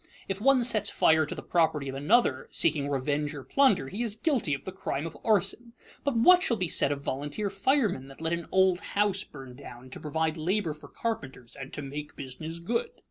If one sets fire to the property of another, seeking revenge or plunder, he is guilty of the crime of arson. But what shall be said of volunteer firemen that let an old house burn down to provide labor for carpenters and "to make business good"?